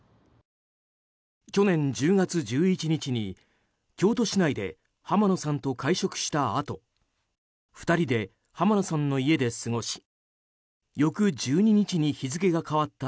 去年１０月１１日に京都市内で浜野さんと会食したあと２人で浜野さんの家で過ごし翌１２日に日付が変わった